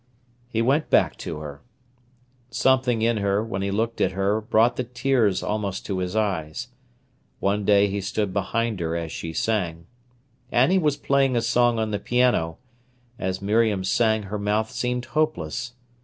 He went back to her. Something in her, when he looked at her, brought the tears almost to his eyes. One day he stood behind her as she sang. Annie was playing a song on the piano. As Miriam sang her mouth seemed hopeless.